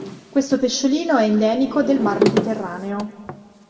Questo pesciolino è endemico del mar Mediterraneo.